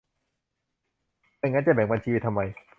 ไม่งั้นจะแบ่งบัญชีไปทำไม